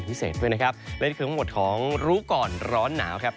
และนี่คือทั้งหมดของรู้ก่อนร้อนหนาวครับ